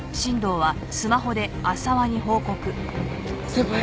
先輩！